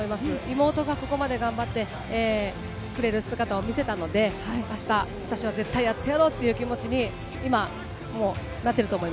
妹がここまで頑張ってくれる姿を見せたので、あした、私は絶対やってやろうっていう気持ちに、今、もうなってると思い